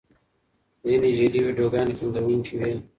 ځینې جعلي ویډیوګانې خندوونکې وي.